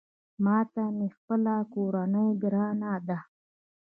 ماته مې خپله کورنۍ ګرانه ده